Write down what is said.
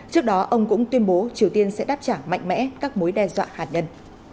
trước đó ông cũng tuyên bố triều tiên sẽ đáp trả mạnh mẽ các mối đe dọa hạt nhân